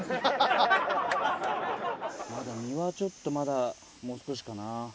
実はちょっとまだもう少しかな。